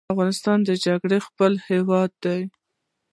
افغانستان جنګ څپلی هېواد دی